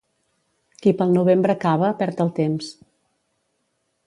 Qui pel novembre cava, perd el temps.